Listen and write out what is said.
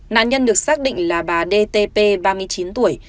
nạn nhân được xác định là bà dt ba mươi chín tuổi